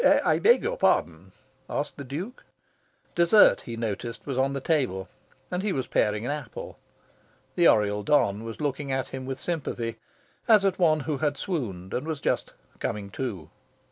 "I beg your pardon?" asked the Duke. Dessert, he noticed, was on the table, and he was paring an apple. The Oriel don was looking at him with sympathy, as at one who had swooned and was just "coming to."